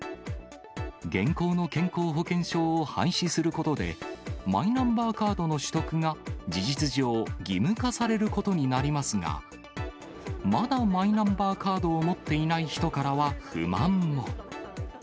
現行の健康保険証を廃止することで、マイナンバーカードの取得が事実上義務化されることになりますが、まだマイナンバーカードを持っていない人からは、不満も。